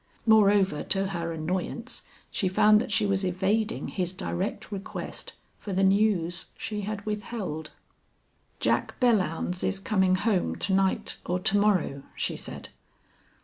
Moreover, to her annoyance, she found that she was evading his direct request for the news she had withheld. "Jack Belllounds is coming home to night or to morrow," she said.